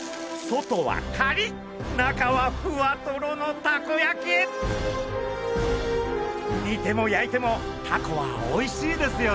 外はカリッ中はふわトロのたこ焼き！にても焼いてもタコはおいしいですよね？